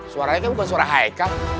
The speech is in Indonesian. suaranya kan bukan suara haikal